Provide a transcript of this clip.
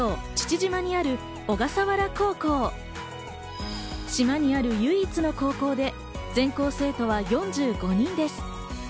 島にある唯一の高校で、全校生徒は４５人です。